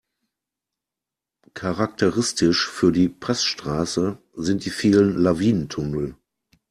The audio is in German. Charakteristisch für die Passstraße sind die vielen Lawinentunnel.